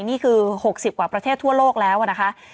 นี่คือ๖๐กว่าประเทศทั่วโลกแล้วนะคะ